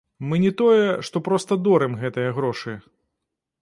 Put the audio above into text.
Мы не тое, што проста дорым гэтыя грошы.